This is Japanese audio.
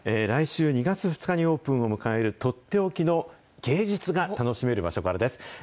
来週２月２日にオープンを迎える、取って置きの芸術が楽しめる場所からです。